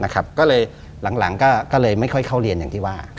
ก็เลยหลังก็เลยไม่ค่อยเข้าเรียนอย่างที่ว่า